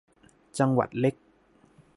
จังหวัดเล็ก